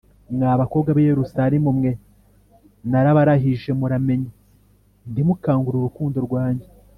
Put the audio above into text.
Mwa bakobwa b i Yerusalemu mwe narabarahije muramenye ntimukangure urukundo rwanjye